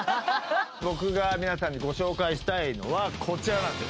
僕が皆さんにご紹介したいのはこちらなんです